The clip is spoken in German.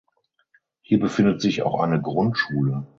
Hier befindet sich auch eine Grundschule.